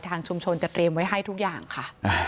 ทางชุมชนจะเตรียมไว้ให้ทุกอย่างค่ะ